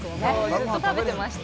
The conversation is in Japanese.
ずっと食べてました。